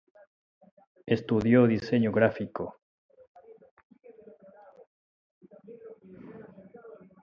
Estudió Diseño Gráfico.